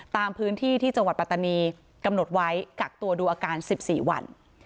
ตามพื้นที่ที่จังหวัดปัตตานีกำหนดไว้กักตัวดูอาการ๑๔วัน